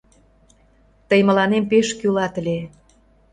Тый мыланем пеш кӱлат ыле.